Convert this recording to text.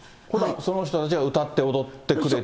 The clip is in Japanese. その人たちが歌って踊ってくれて。